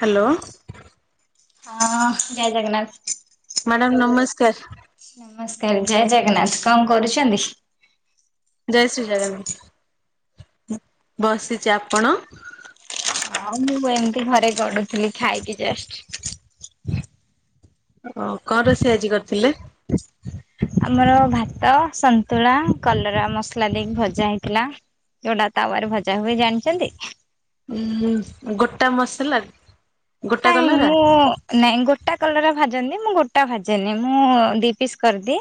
Hello ହଁ ଜୟ Jagannath. Madam ନମସ୍କାର। ନମସ୍କାର ଜୟ ଜଗନ୍ନାଥ। କଣ କରୁଛନ୍ତି? ଜୟ ଶ୍ରୀ ଜଗନ୍ନାଥ। ବସିଛି ଆପଣ? ହଉ ମୁଁ ଏମିତି ଘରେ ଗଡୁଥିଲି ଖାଇକି ଜଷ୍ଟ। ଓ କଣ ରୋଷେଇ ଆଜି କରିଥିଲେ? [inaudible] ଆମର ଭାତ, ସନ୍ତୁଳା, କଲରା, ମସଲା ଦେଇକି ଭଜା ହେଇଥିଲା। ଯୋଉଟା ତାୱାରେ ଭଜା ହୁଏ ଜାଣିଛନ୍ତି? ଉ ଗୋଟା ମସଲା ଗୋଟା ନାଇଁ କଲରା। ମୁଁ ନାଇଁ ଗୋଟା କଲର ଭାଜନି ମୁଁ ଗୋଟା ଭାଜେନି ମୁଁ ଦୁଇ ପିସ୍ କରିଦିଏ।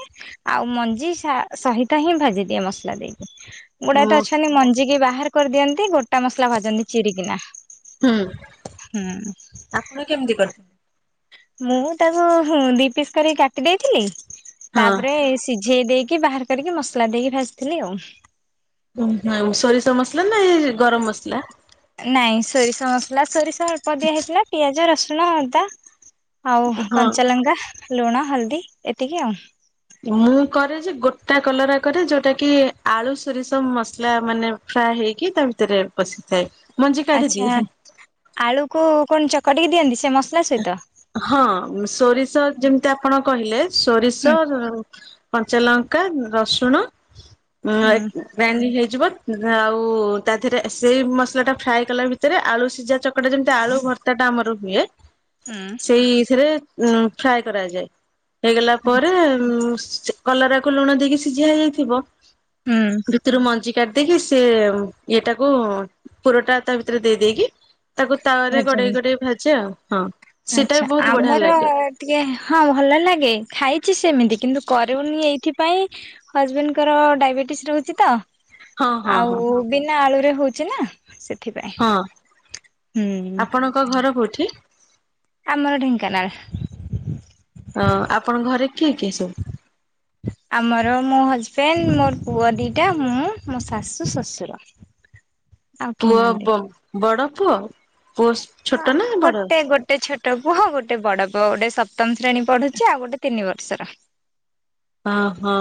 ଆଉ ମଞ୍ଜି ସା ସହିତ ହିଁ ଭାଜି ଦିଏ ମସଲା ଦେଇକି। ଗୁଡା ହୁଁ ତ ଅଛନ୍ତି ମଞ୍ଜିିକି ବାହାର କରିଦିଅନ୍ତି। ଗୋଟା ମସଲା ଭାଜନ୍ତି ଚିରିକିନା। ହୁଁ। ହୁଁ। ଆପଣ କେମିତି କରିଛନ୍ତି? ମୁଁ ତାକୁ ଦି ପିସ୍ କରି କାଟି ଦେଇଥିଲି। ତାପରେ ସି ସିଝେଇ ଦେଇକି ବାହାର କରିକି ମସଲା ଦେଇକି ଭାଜିଥିଲି ଆଉ। ଓହୋ ସୋରିଷ ମସଲା ନା ଏ ଗରମ ମସଲା? ନାଇଁ ସୋରିଷ ମସଲା ସୋରିଷ ଅଳ୍ପ ଦିଆ ହେଇଥିଲା। ପିଆଜ ରସୁଣ ଅଦା ଆଉ ହଁ। କଞ୍ଚାଲଙ୍ଗା, ଲୁଣ, ହଳଦୀ ଏତିକି ଆଉ। ମୁଁ କରେ ଯେ ଗୋଟା କଲରା କରେ, ଯୋଉଟା କି ଆଳୁ, ସୋରିଷ ମସଲା ମାନେ ଫ୍ରାଏ ହେଇକି ତା ଭିତରେ ପଶିଥାଏ। ମଞ୍ଜି କାଢି ଆଚ୍ଛା ଦିଏ। ଆଳୁକୁ କଣ ଚକଟିକି ଦିଅନ୍ତି ସେ ମସଲା ସହିତ? ହଁ ସୋରିଷ ଯେମିତି ଆପଣ କହିଲେ, ହୁଁ ସୋରିଷ କଞ୍ଚାଲଙ୍କା, ରସୁଣ ହୁଁ ଏ ଗ୍ରାଇଡିଂ ହେଇଯିବ। ଆଉ ତା ଦେହରେ ସେଇ ମସଲା ଟା ଫ୍ରାଏ କଲା ଭିତରେ ଆଳୁ ସିଝା ଚ ସେଟା ଯେମିତି ଆଳୁ ଭର୍ତାଟା ଆମର ହୁଏ। ହୁଁ। ସେଇଥିରେ ଉ ଫ୍ରାଏ କରାଯାଏ। ହେଇଗଲା ପରେ ଉ କଲରାକୁ ଲୁଣ ଦେଇକି ସିଝା ହେଇଯାଇଥିବ। ହୁଁ। ଭିତରୁ ମଞ୍ଜି କାଢିଦେଇକି, ସେ ଇଏଟାକୁ ପୁରଟା ତା ଭିତରେ ଦେଇ ଦେଇକି ତାକୁ ତାୱା ରେ ଗଡେଇ ଗଡେଇ ଭାଜେ। ହଁ। ସେଇଟା ବି ଆଛା ବହୁତ ବଢିଆ ଆମର ଲାଗେ। ଟିକେ ହଁ ଭଲ ଲାଗେ। ଖାଇଛି ସେମିତି, କିନ୍ତୁ କରିବୁନି ଏଇଥିପାଇଁ ହଜ୍ ବେଣ୍ଡଙ୍କର ଡାଏବେଟିସ୍ ରହୁଛି ତ, ହଁ ହଁ ହଁ ଆଉ ବିନା ଆଳୁରେ ହୋଉଛି ନା ସେଥିପାଇଁ। ହଁ। ହୁଁ। ଆପଣଙ୍କ ଘର କୋଉଠି? ଆମର ଢେଙ୍କାନାଳ। ହଁ ଆପଣଙ୍କ ଘରେ କିଏ କିଏ ସବୁ? ଆମର ମୋ ହଜ୍ ବେଣ୍ଡ ମୋର ପୁଅ ଦିଇଟା, ମୁଁ ମୋ ଶାଶୁ ଶ୍ୱଶୁର। ଆଉ କେହି ମୋ ନାହାନ୍ତି। ବ- ବଡ ପୁଅ, ପୋସ୍ ହଁ ଗୋଟେ ଗୋ ଗୋଟେ ଛୋଟ ପୁଅ, ଗୋଟେ ବଡ ପୁଅ। ଗୋଟେ ସପ୍ତମ ସେଣୀ ପଢୁଛି, ଆଉ ଗୋଟେ ତିନି ବର୍ଷର। ଓହୋ।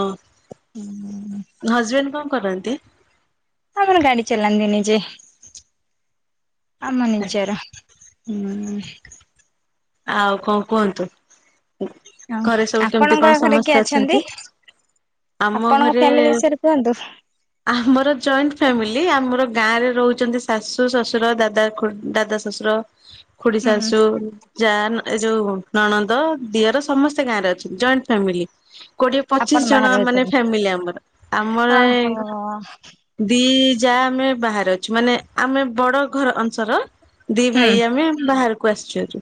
ହଜ୍ ବେଣ୍ଡ କଣ କରନ୍ତି? ଆମର ଗାଡି ଚଲାନ୍ତି ନିଜେ। ଆମ ନିଜର ହୁଁ। ଆଉ କଣ କୁହନ୍ତୁ? ଆଉ ଘରେ ସବୁ କେମିତି କଣ ଆପଣଙ୍କ ଘରେ ସମସ୍ତେ କିଏ ଅଛନ୍ତି? ଆମ ଆପଣଙ୍କ ଘରେ ଫ୍ୟାମିଲି ବିଷୟରେ କୁହନ୍ତୁ? ଆମର ଜଏଣ୍ଟ ଫ୍ୟାମିଲି। ଆମର ଗାଁରେ ରହୁଛନ୍ତି ଶାଶୁ, ଶଶୁର, ଦାଦା, ଖୁ- ଦାଦା ଶ୍ୱଶୁର। ଖଡି ହୁଁ ଶାଶୁ ଯା ଏ ଯୋଉ ନଣନ୍ଦ, ଦିଅର ସମସ୍ତେ ଗାଁରେ ଅଛନ୍ତି। Joint family. କୋଡିଏ ଆପଣ ପଚିଶି ଜଣ ବାହାରେ ମାନେ ରହୁଛନ୍ତି ଫ୍ୟାମିଲି ଆମର। ଆମର ଓହୋ ଦି ଯା ଆମେ ବାହାରେ ଅଛୁ, ମାନେ ଆମେ ବଡ ଘର ଅଂଶର ଦି ହୁଁ ଭାଇ ଆମେ ବାହାରକୁ ଆସି ସାରିଛୁ।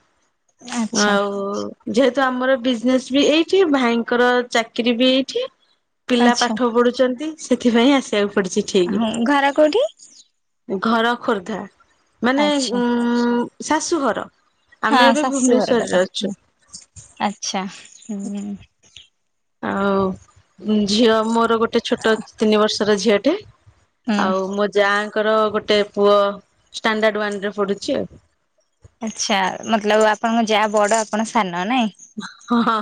ଆଚ୍ଛା ଆଉ ଯେହେତୁ ଆମର ବିଜିନେସ୍ ବି ଏଇଠି। ଭାଇଙ୍କର ଚାକିରୀ ବି ଏଇଠି। ପିଲା ଆଚ୍ଛା। ପାଠ ପଢୁଛନ୍ତି, ସେଥିପାଇଁ ଆସିବାକୁ ପଡିଛି। ଠିକି ହଁ ଘର କୋଉଠି? ଘର ଖୋର୍ଦ୍ଧା। ମାନେ ଆଚ୍ଛା ଉଁ ଶାଶୁଘର। ଆମେ ଏବେ ଭୁବନେଶ୍ଵର ରେ ଅଛୁ। ଆଛା। ହୁଁ। ଆଉ ଝିଅ ମୋର ଗୋଟେ ଛୋଟ ତିନି ବର୍ଷର ଝିଅଟେ ହୁଁ ଆଉ ମୋ ଯାଙ୍କର ଗୋଟେ ପୁଅ ଷ୍ଟାଣ୍ଡାର୍ଡ ୱାନ୍ ରେ ପଢୁଛି ଆଉ। ଆଚ୍ଛା ମୋତଲବ୍ ଆପଣଙ୍କ ଯା ବଡ ଆପଣ ସାନ ନାଇଁ? ହଁଁ।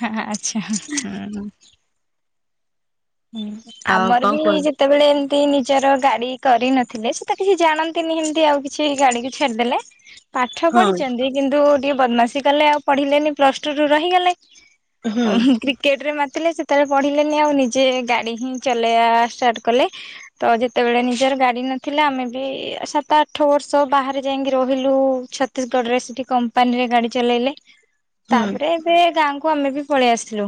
ହଁ ଆଚ୍ଛା ହଁ। ହୁଁ ଆଉ ଆମର କଣ ବି କୁହ ଯିତ୍ କେତେବେଳେ ଏମିତି ନିଜର ଗାଡି କରିନଥିଲେ ସେ ତ କିଛି ଜାଣନ୍ତିନି ଏମିତି ଆଉ କିଛି ଗାଡି କି ଛାଡ଼ିଦେଲେ। ପାଠ ହଁ ପଢିଚନ୍ତି କିନ୍ତୁ ଟିକେ ବଦମାସି କଲେ ଆଉ ପଢିଲେନି ପ୍ଲସ ଟୁ ରୁ ରହିଗଲେ। ଅ ହୁଁ କ୍ରିକେଟ ରେ ମାତିଲେ ସେତେବେଳେ ପଢିଲେନି ଆଉ ନି ଯେ ଗାଡ଼ି ହିଁ ଚଲେଇବା ଷ୍ଟାର୍ଟ କଲେ ତ ଯେତେବେଳେ ନିଜର ଗାଡି ନଥିଲା ଆମେ ବି ସାତ ଆଠ ବର୍ଷ ବାହାରେ ଯାଇକି ରହିଲୁ ଛ ଛତିଶଗଡ଼ରେ ସେଠି କମ୍ପାନୀରେ ଗାଡ଼ି ଚଲେଇଲେ। ହୁଁ ତାପରେ ଏବେ ଗାଁକୁ ଆମେ ବି ପଳେଇ ଆସିଲୁ।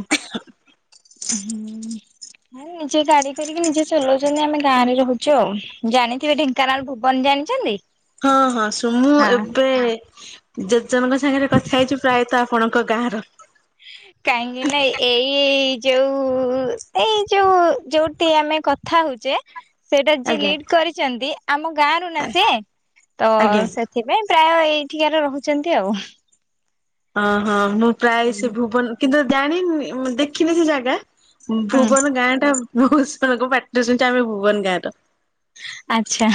ହୁଁ। ନିଜେ ଗାଡି କରିକି ନିଜେ ଚଲଉଚନ୍ତି ଆମେ ଗାଁ ରେ ରହୁଛୁ ଆଉ ଜାଣିଥିବେ ଢେଙ୍କାନାଳ ଭୁବନ ଜାଣିଛନ୍ତି? ହଁ ହଁ ସୁ ମୁଁ ହଁ ଏବେ ଜେତେ ଜଣଙ୍କ ସାଙ୍ଗରେ କଥା ହେଇଛି ପ୍ରାୟତଃ ଆପଣଙ୍କ ଗାଁର। କାହିଁକି ନା ଏଇ ଯୋଉ ଏଇ ଯୋଉ ଯୋଉଠି ଆମେ କ କଥା ହଉଛେ ସେଇଟା ଯିଏ ଆଜ୍ଞା ଲିଡ୍‌ କରିଚନ୍ତି ଆମ ଗାଁରୁ ନା ସେ ତ ଆଜ୍ଞା। ସେ ସେଥିପାଇଁ ପ୍ରାୟ ଏଇଠିକାର ରହୁଛନ୍ତି ଆଉ। ଅଁ ହଁ ମୁଁ ପ୍ରାୟ ସେ ଭୁବନ କିନ୍ତୁ ଜାଣିନି ଦେଖିନି ସେ ଜାଗା ହଁ ଭୁବନ ଗାଁ ଟା ବୋହୁତ୍ ଜଣଙ୍କ ପାଟିରେ ଶୁଣିଛୁ ଆମେ ଭୁବନ ଗାଁ ର। ଆଛା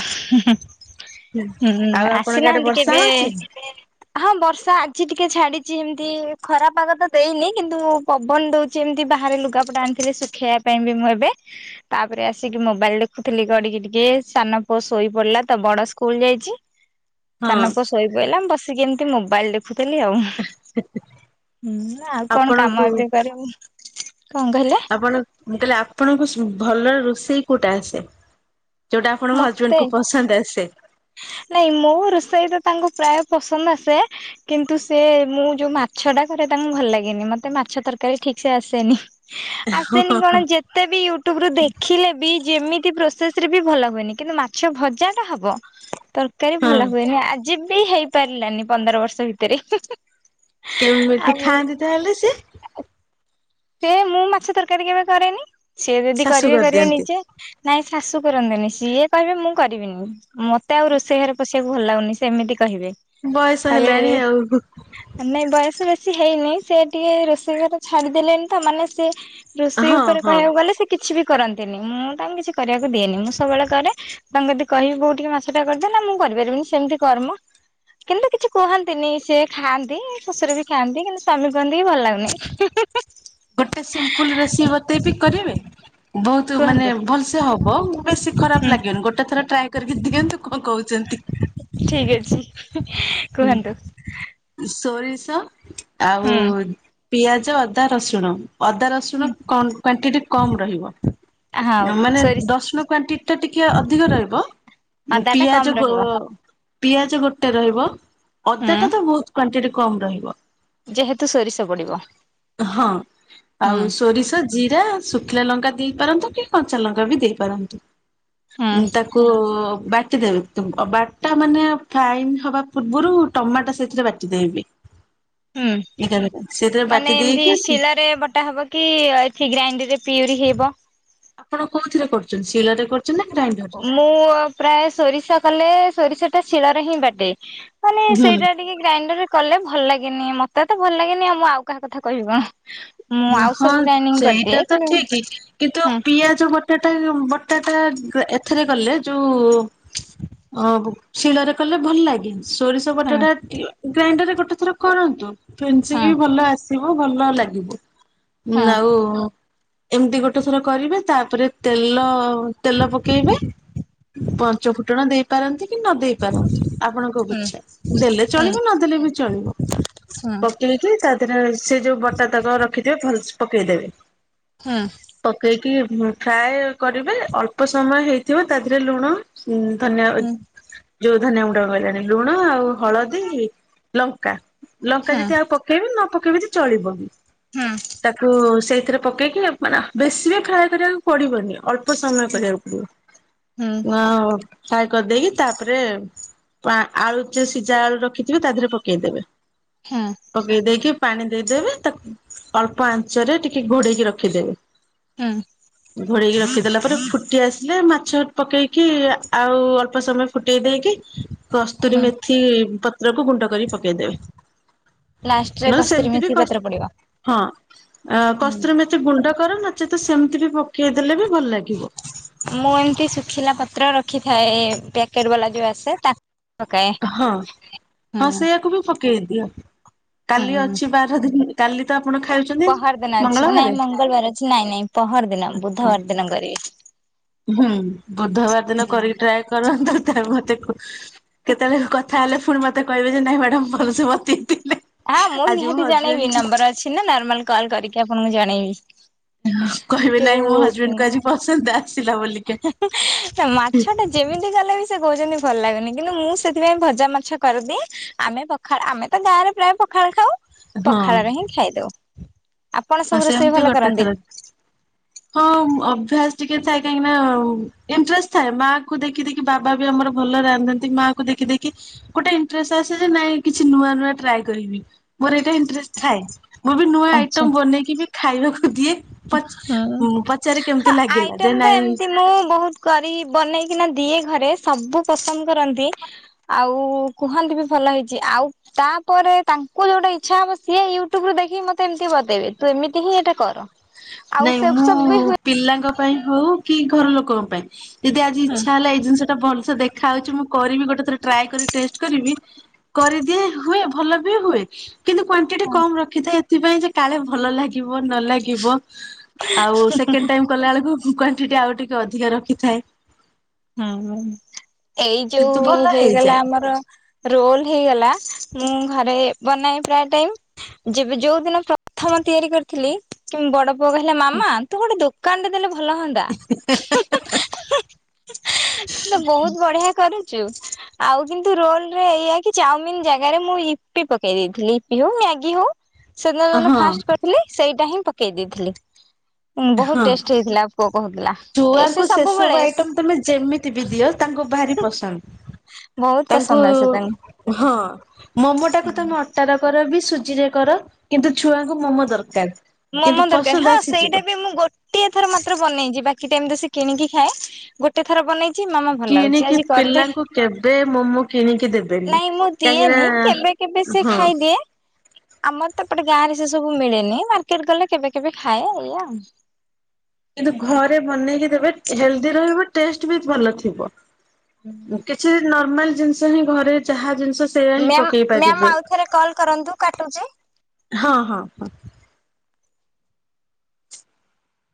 ଉଁ ଆଉ ହୁଁ ଆପଣଙ୍କ ଆଡେ ଆସିନାହାନ୍ତି ବର୍ଷା କେବେ? ହଉଛି? ହଁ ବର୍ଷା ଆଜି ଟିକେ ଛାଡିଚି ଏମିତି ଖରା ପାଗ ତ ଦେଇନି କିନ୍ତୁ ପବନ ଦଉଚି ଏମିତି ବାହାରେ ଲୁଗାପଟା ଆଣିିଥିବେ ଶୁଖେଇବା ପାଇଁ ବି ମୁଁ ଏବେ। ତାପରେ ଆସିକି ମୋବାଇଲ ଦେଖୁଥିଲି ଗଢିକି ଟି ଏ ସାନ ପୁଅ ଶୋଇ ପଡିଲା ତ ବଡ ସ୍କୁଲ ଯାଇଛି ହଁ ସାନ ପୁଅ ଶୋଇ ପଇଲା ମୁ ବସିକି ଏମିତି ମୋବାଇଲ ଦେଖୁଥିଲି ଆଉ। ହୁଁ ଆଉ କଣ ଆପଣଙ୍କୁ କାମ ଏବେ କରିବୁ କଣ କହିଲେ? ଆପଣ ତାଲେ ଆପଣଙ୍କୁ ଭଲ ରୋଷେଇ କୋଉଟା ଆସେ? ଯୋଉଟା ଆପଣଙ୍କ ହଜବେଣ୍ଡ ମତେ କୁ ପସନ୍ଦ ଆସେ। ନାଇଁ ମୋ ରୋଷେଇ ତ ତାଙ୍କୁ ପ୍ରାୟ ପସନ୍ଦ ଆସେ। କିନ୍ତୁ ସେ ମୁଁ ଯୋଉ ମାଛ ଟା କରେ ତାଙ୍କୁ ଭଲ ଲାଗେନି ମତେ ମାଛ ତରକାରୀ ଠିକ୍ ସେ ଆସେନି। ହଁ ଆସେନି ହଁ ହଁ କଣ ଯେତେ ବି ୟୁଟ୍ୟୁବ ରୁ ଦେଖିଲେ ବି ଯେମିତି ପ୍ରୋସ ସେସେରେ ବି ଭଲ ହୁଏନି କିନ୍ତୁ ମାଛ ଭଜାଟା ହବ। ତରକାରୀ ଭଲ ହୁଏନି ଆଜି ବି ହେଇ ପାରିଲାନି ପନ୍ଦର ବର୍ଷ ଭିତେରେ। କେମିତି ଖାଆନ୍ତି ତାହେଲେ ସେ ସେ ମୁଁ ମାଛ ତରକାରୀ କେବେ କରେନି ସେ ଯଦି ଶାଶୁ କରିବେ କରିବେ କରିଦିଅନ୍ତି ନିଜେ ନାଇଁ ଶାଶୁ କରନ୍ତନି ସିଏ କହିବେ ମୁଁ କରିବିନି। ମତେ ଆଉ ରୋଷେଇ ଘରେ ପଶିବାକୁ ଭଲ ଲାଗୁନି ସେମିତି କହିବେ। ବୟସ ହେଲାଣି କହିବେ ଆଉ। ନାଇଁ ବୟସ ବେଶୀ ହେଇନି ସେ ଟିକେ ରୋଷେଇ ଘର ଛାଡିଦେଲେଣି ତ ମାନେ ସେ ରୋଷେଇ ହଁ ଉପରେ ହଁ। କହିବାକୁ ଗଲେ ସେ କିଛି ବି କରନ୍ତିନି ମୁଁ ତାଙ୍କୁ କିଛି କରିବାକୁ ଦିଏନି ମୁଁ ସବୁବେଳେ କରେ। ତାଙ୍କୁ ଯଦି କହିବି ବୋଉ ଟିକେ ମାଛଟା କରିଦେ ନା ମୁଁ କରିପାରିବିନି ସେମିତି କର ମ। କିନ୍ତୁ କିଛି କୁହନ୍ତିନି ସେ ଖାଆନ୍ତି ଶ୍ୱଶୁର ବି ଖାଆନ୍ତି କିନ୍ତୁ ସ୍ଵାମୀ କୁହନ୍ତି କି ଭଲ ଲାଗୁନି। ଗୋଟେ ସିମ୍ପୁଲ ରେସିିଓ ବତେଇବି କରିବେ। ବହୁତ ମାନେ କୁହନ୍ତୁ ଭଲସେ ହବ ବେଶୀ ଖରାପ ହୁଁ ଲାଗେନି ଗୋଟେ ଥର ଟ୍ରାଏ କରିକି ଦିଅନ୍ତୁ କଣ କହୁଚନ୍ତି। ଠିକ୍ ଅଛି। କୁହନ୍ତୁ ସୋରିଷ ଆଉ ହୁଁ ପିଆଜ ଅଦା ରସୁଣ ଅଦା ହୁଁ ରସୁଣ କ କ୍ଵାଣ୍ଟିଟି କମ୍ ରହିବ। ହଉ ଅ ମାନେ ସୋରିଷ ଦଶୁଣ କ୍ଵଣ୍ଟିଟି ଟା ଟିକେ ଅଧିକ ରହିବ ଅଦା ଟା କମ ପିଆଜ ଗ ରହିବ ପିଆଜ ଗୋଟା ରହିବ ଅଦା ଟା ହୁଁ ତ ବହୁତ କ୍ଵାଣ୍ଟିଟ୍ କମ ରହିବ। ଯେହେତୁ ସୋରିଷ ପଡିବ ହଁ ହୁଁ ଆଉ ସୋରିଷ ଜିରା ଶୁଖିଲା ଲଙ୍କା ଦେଇପାରନ୍ତୁ କି କଞ୍ଚା ଲଙ୍କା ବି ଦେଇପାରନ୍ତୁ ହୁଁ ଉ ତାକୁ କୋ ବାଟି ଦେବେ ତ ଅ ବାଟା ମାନେ ଫାଇନ୍ ହବା ପୂର୍ବରୁ ଟମାଟୋ ସେଥିରେ ବାଟିଦେବେ ବି। ହୁଁ ବାଟି ମାନେ ଏମିତି ଦେଇକି ଶିଳରେ ବ ଟା ହବ କି ଅ କି ଗ୍ରାଇଣ୍ଡର ରେ ପିଡ଼ି ହିଅବ। ଆପଣ କୋଉଥିରେ କରୁଛନ୍ତି ଶିଳରେ କର ଚୁନା ଗ୍ରାଇଣ୍ଡ ମୁଁ ପ୍ରାୟ ସୋରିଷ କଲେ ସୋରିଷ ଟା ଶିଳରେ ହିଁ ବାଟେ ମାନେ ସେଇଟା ହୁଁ ଟିକେ ଗ୍ରାଇଣ୍ଡର ରେ କଲେ ଭଲ ଲାଗେନି ମତେ ତ ଭଲ ଲାଗେନି ଆଉ ମୁଁ ଆଉ କାହା କଥା କହିବ କଣ। ମୁଁ ଆଉ ହଁ ସବୁ ଗ୍ରାଇଣ୍ଡିଙ୍ଗ ସେଇଟା କରିଦିଏ ତ କିନ୍ତୁ ଠିକ କିନ୍ତୁ ହୁଁ ହୁଁ ପିଆଜ ଵ୍ ଟାଟା ଯୋଉ ବଟାଟା ଗ ଏଥିରେ କଲେ ଯୋଉ ଅଵ୍ ଶିଳରେ କଲେ ଭଲ ଲାଗେ ସୋରିଷ ହୁଁ ବଟାଟା ଗୀ ଗ୍ରାଇଣ୍ଡରରେ ଗୋଟେ ଥର କରନ୍ତୁ। ଫିନିସିଂ ହୁଁ ବି ଭଲ ଆସିବ ଭଲ ଲାଗିବ ହୁଁ ମ ଆଉ ଏମିତି ଗୋଟେ ଥର କରିବେ ତାପରେ ତେଲ ତେଲ ପକେଇବେ ପଞ୍ଚ ଫୁଟଣ ଦେଇ ପାରନ୍ତି କି ନ ଦେଇ ପାରନ୍ତି ଆପଣଙ୍କ ହୁଁ ବୁଛା ଦେଲେ ହୁଁ ଚଳିବ ନଦଲେ ବି ଚଳିବ। ହୁଁ ପକେଇକି ତା ଦେହରେ ସେ ଯୋଉ ବଟା ତାକ ରଖିଥିବେ ଭଲସ ପକେଇଦେବେ। ହୁଁ। ପକେଇକି ଉଂ ଫ୍ରାଏ କରିବେ ଅଳ୍ପ ସମୟ ହେଇଥିବ ତା ଦେହରେ ଲୁଣ ହୁଁ ଧନ୍ୟଆ ଯୋଉ ଧନିଆ ଗୁଣ୍ଡ କହିଲାଣି ଲୁଣ ଆଉ ହଳଦୀ ଲଙ୍କା ଲଙ୍କା ହୁଁ ଯତି ଆଉ ପ କେଇବେ ନ ପକେଇ ବି ଚଳିବ। ହୁଁ। ତାକୁ ସେଇଥିରେ ପକେଇକି ଅ ମାନେ ବେଶୀ ରେ ଫ୍ରାଏ କରିବାକୁ ପଡିବନି ଅଳ୍ପ ପ ସମୟ କରିବାକୁ ହୁଁ ପଡିବ ଅ ଫାଏ କରିଦେଇକି ତାପରେ ପା ଆଳୁ ଯ ସିଝା ଆଳୁ ରଖିଥିବେ ତା ଦେହରେ ପକେଇଦେବେ। ହଁ। ପକେଇ ଦେଇକି ପାଣି ଦେଇଦେବେ ତାକୁ ଅଳ୍ପ ଆଞ୍ଚରେ ଟିକେ ଘୋଡେଇକି ରଖିଦେବେ। ହୁଁ। ଘୋଡ଼େଇକି ରଖିଦେଲା ପରେ ଫୁଟି ଆସିଲେ ମାଛ ପକେଇକି ଆଉ ଅଳ୍ପ ସମୟ ଫୁଟେଇ ଦେଇକି କସ୍ତୁରୀ ହୁଁ ମେଥି ପତ୍ରକୁ ଗୁଣ୍ଡ କରି ପକେଇଦେବେ। ନ ଲାଷ୍ଟରେ ନେ କସ୍ତୁରୀ ସେମିତି ବି ମେଥି କଷ୍ ପତ୍ର ପଡିବ। ହଁ ଅ କସ୍ତ୍ରରି ମେଥି ଗୁଣ୍ଡ କର ନଚେତ ସେମିତି ବି ପକେଇଦେଲେ ବି ଭଲ ଲାଗିବ। ମୁଁ ଏମିତି ଶୁଖିଲା ପତ୍ର ରଖିଥାଏ ପ୍ୟାକେଟ୍ ବାଲା ଯୋଉ ଆସେ ତା ହଁ ହଁ ହୁଁ ସେୟାକୁ ବି ପକେଇ ଦିଅ କାଲି ହୁଁ ଅଛି ବାର ଦିନ। କାଲି ତ ଆପଣ ଖାଉଛନ୍ତି। ପହର ଦିନ ଅଛି ନାଇଁ ମଙ୍ଗଳବାରେ। ମଙ୍ଗଳବାର ଅଛି ନାଇଁ ନାଇଁ ପହର ଦିନ ବୁଧବାର ଦିନ କରିବେ। ହୁଁ ବୁଧବାର ଦିନ କରିକି ଟ୍ରାଏ କରନ୍ତୁ ତା ମତେ କ [inaudible] କେତେବେଳେ କଥା ହେଲେ ପୁଣି ମତେ କହିବେ ଯେ ନାଇଁ ମ୍ୟାଡାମ ଭଲସ ବତେଇ ଥିଲେ। ହଁ ମୁଁ ନିହାତି ଜଣେଇବି ନମ୍ବର ଅଛି ନା ନର୍ମାଲ କଲ କରିକି ଆପଣଙ୍କୁ ଜଣେଇବି। ହଁ କହିବେ ନାଇଁ ମୋ ଯୋଉ ହଜବେଣ୍ଡ କୁ ଆଜି ପସନ୍ଦ ଆସିଲା ବୋଲିକା। ନା ମାଛ ଟା ଯେମିତି କଲେ ବି ସେ କହୁଛନ୍ତି ଭଲ ଲାଗୁନି କିନ୍ତୁ ମୁଁ ସେଥିପାଇଁ ଭଜା ମାଛ କରିଦିଏଁ। ଆମେ ପଖାଳ ଆମେ ତ ଗାଁରେ ପ୍ରାୟ ପଖାଳ ଖାଉ ହଁ ପଖାଳରେ ହିଁ ଖାଇଦଉ। ଆପଣ ହଁ ସବୁ ରୋଷେଇ ସେମିତି ଭଲ ଗୋଟେ କରନ୍ତି। ଥର ହଁ ଅଭ୍ୟାସ ଟିକେ ଥାଏ କାହିଁକି ନା ଇଣ୍ଟ୍ରେଷ୍ଟ ଥାଏ ମା କୁ ଦେଖି ଦେଖି କି ବାବା ବି ଆମର ଭଲ ରାନ୍ଧନ୍ତି ମା କୁ ଦେଖି ଦେଖି। ଗୋଟେ ଇଣ୍ଟ୍ରେଷ୍ଟ ଆସେ ଯେ ନାଇଁ କିଛି ନୂଆ ନୂଆ ଟ୍ରାଏ କରିବି ମୋର ଏଇଟା ଇଣ୍ଟ୍ରେଷ୍ଟ ଥାଏ। ମୁଁ ବି ନୂଆ ଆଚ୍ଛା ଆଇଟମ୍ ବନେଇକି ବି ଖାଇବାକୁ ଦିଏ। ପଚ୍ ହୁଁ। ପଚାରେ ହଁ କେମିତି ଲାଗିଲା ଯେ ଆଇଟମ ତ ନାଇଁ ଏମିତି ମୁଁ ବହୁତ କରି ବନେଇକିନା ଦିଏ ଘରେ ସବୁ ପସନ୍ଦ କରନ୍ତି ଆଉ କୁହନ୍ତି ବି ଭଲ ହେଇଛି ଆଉ ତାପରେ ତାଙ୍କୁ ଯୋଉଟା ଇଚ୍ଛା ହବ ସିଏ ୟୁଟ୍ୟୁବ ରୁ ଦେଖିକି ମତେ ଏମିତି ବତେଇବେ ତୁ ଏମିତି ହିଁ ଏଇଟା କର। ଆଉ ନାଇଁ ସେ ମୁଁ ସବୁ ବି ହୁଏ। ପିଲାଙ୍କ ପାଇଁ ହଉ କି ଘର ଲୋକଙ୍କ ପାଇଁ ଯଦି ଆଜି ଇଚ୍ଛା ହେଲା ଏଇ ଜିନିଷ ଟା ଭଲସ ଦେଖ ଖାଉଛି ମୁଁ କରିବି ଗୋଟେ ଥର ଟ୍ରାଏ କର ଟେଷ୍ଟ କରିବି କରିଦିଏ ହୁଏ ଭଲ ବି ହୁଏ। କିନ୍ତୁ କ୍ଵାଣ୍ଟିଟି ହଁ କମ ରଖିଥାଏ ଏଥିପାଇଁ ଯେ କାଳେ ଭଲ ଲାଗିବ ନ ଲାଗିବ। ଆଉ ସେକେଣ୍ଡ ଟାଇମ୍ କଲା ବେଳକୁ କ୍ଵାଣ୍ଟିଟି ଆଉ ଟିକେ ଅଧିକା ରଖିଥାଏ। ହୁଁ ଏଇ କିନ୍ତୁ ଯୋଉ ଭଲ ହେଇଗଲା ହେଇଯାଏ ଆମର ରୋଲ ହେଇଗଲା ମୁଁ ଘରେ ବନାଏ ପ୍ରାୟ ଟାଇମ୍ ଯେବେ ଯୋଉ ଦିନ ପ୍ରଥମ ତିଆରି କରିଥିଲି କି ବଡ ପୁଅ କହିଲା ମାମା ତୁ ଗୋଟେ ଦୋକାନ ଟେ ଦେଲେ ଭଲ ହୁଅନ୍ତା। ତୁ ତ ବହୁତ ବଢ଼ିଆ କରୁଛୁ। ଆଉ କିନ୍ତୁ ରୋଲରେ ଏଇା କି ଚାଉମିନ୍ ଜାଗାରେ ମୁଁ ଇପି ପକେଇ ଦେଇଥିଲି ଇପି ହଉ ମ୍ୟାଗି ହଉ ସେଦିନ ଯୋଉଦିନ ହଁ ଫାଷ୍ଟ କରିଥିଲି ସେଇଟା ହିଁ ପକେଇ ଦେଇଥିଲି ବହୁତ ହଁ ଟେଷ୍ଟ ହେଇଥିଲା। କୁ କହୁଥିଲା। ଏ ସେ ଛୁଆଙ୍କୁ ସବୁବେଳେ ସେସବୁ ଆଇଟମ୍ ତମେ ଯେମିତି ବି ଦିଅ ତାଙ୍କୁ ଭାରି ପସନ୍ଦ। ବହୁତ ତାଙ୍କୁ ପସନ୍ଦ ଆସେ ତାଙ୍କୁ। ହଁ ମୋମୋ ଟାକୁ ତମେ ଅ ଟା ର କର ବି ସୁଜି ରେ କର କିନ୍ତୁ ଛୁଆଙ୍କୁ ମୋମୋ ଦରକାର। କିନ୍ତୁ ମୋମୋ ଦରକାର ପସନ୍ଦ ହଁ ଆସିଯିବ ସେଇଟା ବି ମୁଁ ଗୋଟ ଗୋଟିଏ ଥର ମାତ୍ର ବନେଇଛି ବାକି ଟାଇମ୍ ତ ସେ କିଣିକି ଖାଏ ଗୋଟେ ଥର ବନେଇ ଛି ମାମା ଭଲ ଲାଗୁଛି କିଣିକି ଆଜି କରିଦେ ପିଲାଙ୍କୁ କେବେ ମୋମୋ କିଣିକି ଦେବେନି। ନାଇଁ ମୁଁ କାହିଁକି ନା ଦିଏନି କେବେ କେବେ ସେ ହଁ ଖାଇଦିଏ। ଆମର ତପଟେ ଗାଁ ରେ ସେ ସବୁ ମିଳେନି ମାର୍କେଟ ଗଲେ କେବେ କେବେ ଖାଏ ଏଇଆ ଆଉ କିନ୍ତୁ ଘରେ ବନେଇକି ଦେବେ ହେଲ୍ଦି ରହିବ ଟେଷ୍ଟ ବି ଭଲ ଥିବ। ହୁଁ। କିଛି ନର୍ମାଲ ଜିନିଷ ହିଁ ଘରେ ଯାହା ଜିନିଷ ସେଇୟା ହିଁ ମ୍ୟାମ୍ ପକେଇ ମ୍ୟାମ୍ ପାରିବେ ଆଉଥରେ କଲ୍ କରନ୍ତୁ କାଟୁଚି ହଁ ହଁ ହଁ।